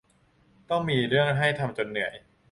ต้องมีเรื่องให้ทำจนเหนื่อย